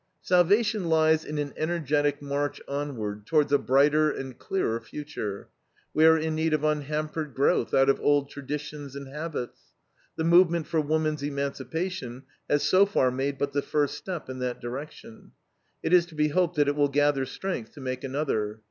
Salvation lies in an energetic march onward towards a brighter and clearer future. We are in need of unhampered growth out of old traditions and habits. The movement for woman's emancipation has so far made but the first step in that direction. It is to be hoped that it will gather strength to make another.